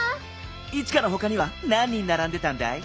イチカのほかにはなん人ならんでたんだい？